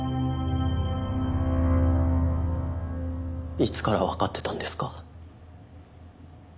いつからわかってたんですか？